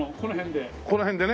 この辺で。